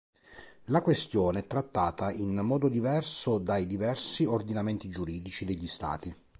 La questione è trattata in modo diverso dai diversi ordinamenti giuridici degli Stati.